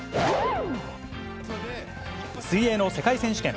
水泳の世界選手権。